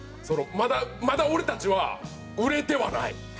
まだまだ俺たちは売れてはない。